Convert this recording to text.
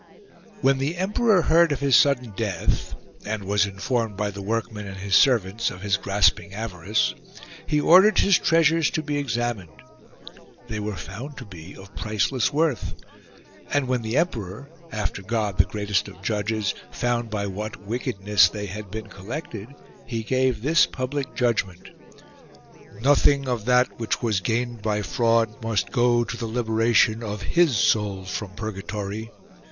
When the emperor heard of his sudden death, and was informed by the workmen and his servants of his grasping avarice, he ordered his treasures to be ex amined. They were found to be of priceless worth, and when the emperor, after God the greatest of judges, found by what wickedness they had been collected he gave this public judgment :Nothing of that which was gained by fraud must go to the liberation of his soul from purgatory.